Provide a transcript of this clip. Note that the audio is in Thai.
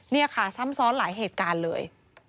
นี่ค่ะซ้ำซ้อนหลายเหตุการณ์เลย